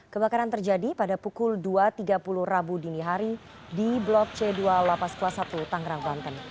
kebakaran terjadi pada pukul dua tiga puluh rabu dini hari di blok c dua lapas kelas satu tangerang banten